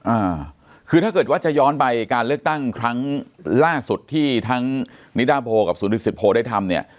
อ่าคือถ้าเกิดว่าจะย้อนไปการเลือกตั้งครั้งล่าสุดที่ทั้งนิดาโพกับศูนย์วิทสิทธโพได้ทำเนี่ย